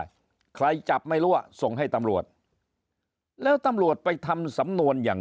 ใครจับไม่รู้ว่าส่งให้ตำรวจแล้วตำรวจไปทำสำนวนอย่าง